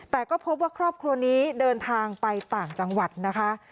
แต่ก็พบว่าครอบครัวนี้เดินทางไปต่างจังหวัดนะคะ